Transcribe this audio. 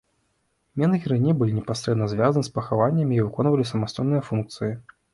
Менгіры не былі непасрэдна звязаны з пахаваннямі і выконвалі самастойныя функцыі.